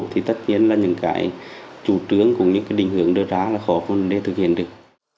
thì tất nhiên là những cái chủ trướng cùng những cái định hướng đưa ra là khó vấn đề thực hiện được